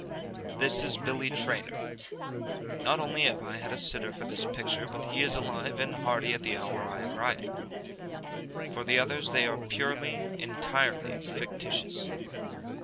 This is Billy Traynor. Not only have I had a sitter for this picture, but he is alive and hearty at the hour I am writing. For the others, they are purely, entirely fictitious.